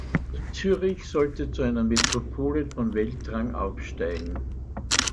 Zürich sollte zu einer Metropole von Weltrang aufsteigen.